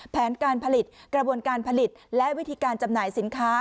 แผนการผลิตกระบวนการผลิตและวิธีการจำหน่ายสินค้า